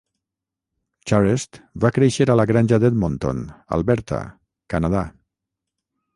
Charest va créixer a la granja d'Edmonton, Alberta, Canadà.